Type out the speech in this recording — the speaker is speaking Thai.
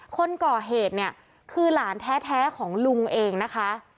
คนก่อเหตุเนี่ยคือหลานแท้ของลุงเองนะคะ